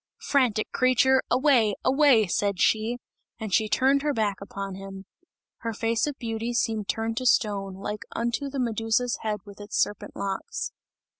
"Frantic creature! Away, away!" said she, as she turned her back upon him. Her face of beauty seemed turned to stone, like unto the Medusa's head with its serpent locks.